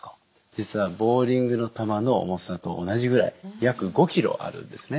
実はボーリングの球の重さと同じぐらい約５ｋｇあるんですね。